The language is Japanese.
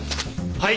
はい！